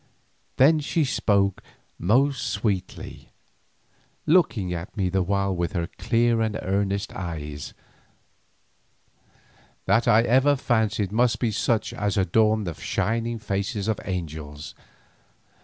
Thus she spoke most sweetly, looking at me the while with her clear and earnest eyes, that I ever fancied must be such as adorn the shining faces of angels.